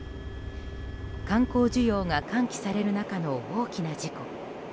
観光需要が喚起される中の大きな事故。